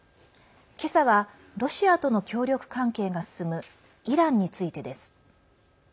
今朝はロシアとの協力関係が進むイランについてです。